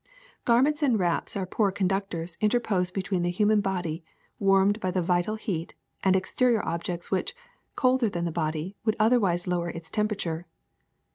Garments and wraps are poor conductors interposed between the human body, warmed by the vital heat, and exterior objects which, colder than the body, would otherwise lower its temperature.